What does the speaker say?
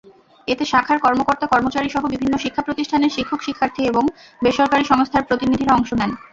এতে শাখার কর্মকর্তা–কর্মচারীসহ বিভিন্ন শিক্ষাপ্রতিষ্ঠানের শিক্ষক-শিক্ষার্থী এবং বেসরকারি সংস্থার প্রতিনিধিরা অংশ নেন।